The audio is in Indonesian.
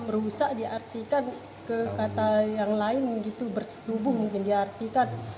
merusak diartikan ke kata yang lain begitu bersetubuh mungkin diartikan